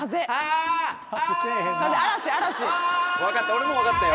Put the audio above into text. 俺もう分かったよ。